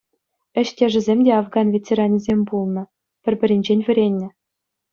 Ӗҫтешӗсем те Афган ветеранӗсем пулнӑ, пӗр-пӗринчен вӗреннӗ.